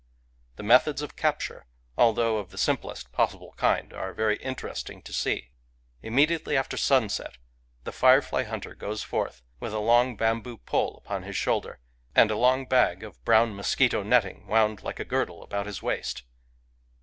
The methods of capture, although of the simplest possible kind, are very interesting to see. Immediately after sunset, the firefly hunter goes forth, with a long bamboo pole upon his shoulder, and a long bag of brown mosquito netting wound, like a girdle, about his waist.